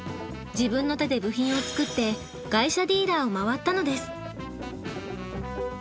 自分の手で部品を作って外車ディーラーを回ったのです。